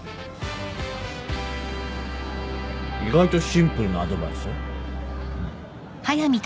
意外とシンプルなアドバイス。